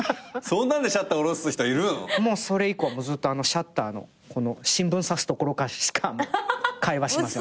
もうそれ以降ずっとシャッターの新聞さすところからしか会話しません。